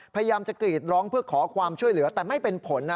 พยายามจะกรีดร้องเพื่อขอความช่วยเหลือแต่ไม่เป็นผลนะ